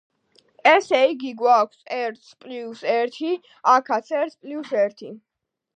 ესე იგი, გვაქვს ერთს პლიუს ერთი, აქაც ერთს პლიუს ერთი.